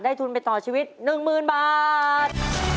ทุนไปต่อชีวิต๑๐๐๐บาท